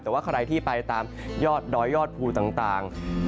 แต่ว่าใครที่ไปตามยอดดอยยอดภูต่าง